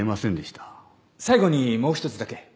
最後にもう一つだけ。